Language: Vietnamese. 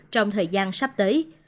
trong thời gian sắp tới